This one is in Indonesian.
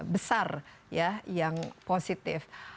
besar yang positif